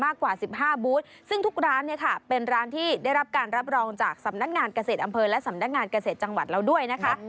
การรับรองจากสำนักงานเกษตรอำเภอและสำนักงานเกษตรจังหวัดเราด้วยนะคะ